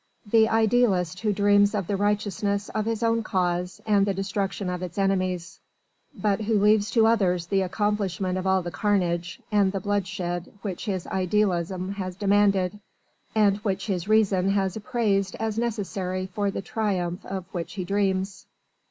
The idealist who dreams of the righteousness of his own cause and the destruction of its enemies, but who leaves to others the accomplishment of all the carnage and the bloodshed which his idealism has demanded, and which his reason has appraised as necessary for the triumph of which he dreams.